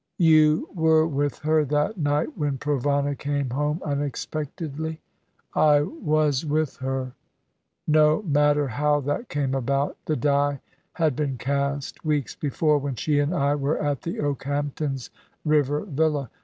"You were with her that night when Provana came home unexpectedly?" "I was with her. No matter how that came about. The die had been cast weeks before, when she and I were at the Okehamptons' river villa.